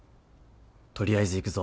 取りあえず行くぞ。